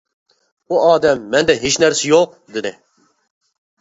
ئۇ ئادەم مەندە ھېچ نەرسە يوق، دېدى.